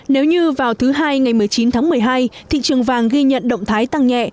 nếu như vào thứ hai ngày một mươi chín tháng một mươi hai thị trường vàng ghi nhận động thái tăng nhẹ